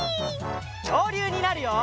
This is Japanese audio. きょうりゅうになるよ！